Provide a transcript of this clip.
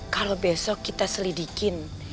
kalau besok kita selidikin